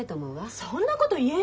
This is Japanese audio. そんなこと言える？